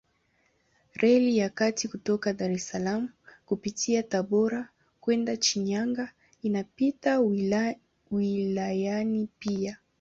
Reli ya kati kutoka Dar es Salaam kupitia Tabora kwenda Shinyanga inapita wilayani pia.